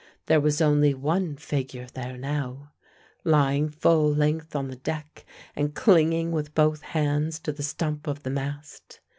There was only one figure there now, lying full length on the deck, and clinging with both hands to the stump of the mast.